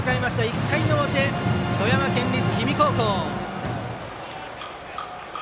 １回の表富山県立氷見高校。